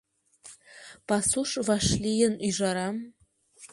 Пасуш вашлийын ӱжарам